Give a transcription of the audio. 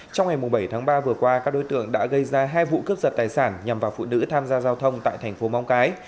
trong ngày bảy tháng ba vừa qua các đối tượng đã gây ra hai vụ cướp giật tài sản nhằm vào phụ nữ tham gia giao thông tại thành phố móng cái